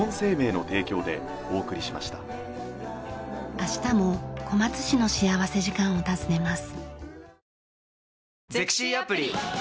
明日も小松市の幸福時間を訪ねます。